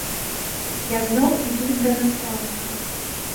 Я зноў іду да настаўніка.